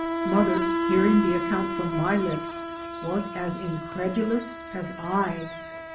Mother, hearing the account from my lips, was as incredulous as I.